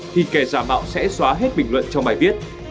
thì kẻ giả mạo sẽ xóa hết bình luận trong bài viết